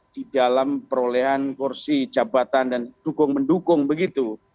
di dalam perolehan kursi jabatan dan dukung mendukung begitu